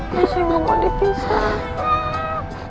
saya gak mau dipisah